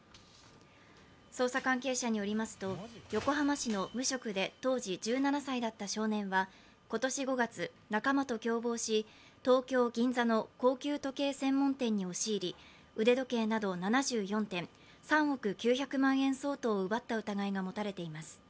捜査関係者によりますと、横浜市の無職で当時１７歳だった少年は今年５月、仲間と共謀し、東京・銀座の高級時計専門店に押し入り腕時計など７４点３億９００万円相当を奪った疑いが持たれています